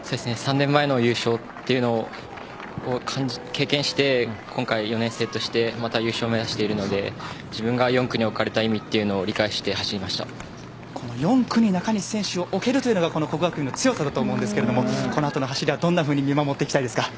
３年前の優勝を経験して今回、４年生として優勝を目指しているので自分が４区に置かれた意味を４区に中西選手を置けるというのが國學院の強さだと思うんですけどこのあとの走りはどんなふうに見守っていきたいですか？